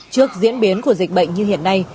trước diễn biến của dịch bệnh như hiện nay